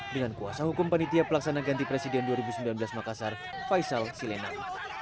dengan kuasa hukum panitia pelaksana ganti presiden dua ribu sembilan belas makassar faisal silendang